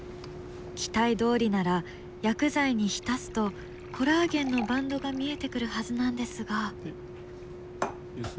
期待どおりなら薬剤に浸すとコラーゲンのバンドが見えてくるはずなんですが。